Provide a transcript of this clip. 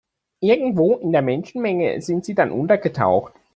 Irgendwo in der Menschenmenge sind sie dann untergetaucht.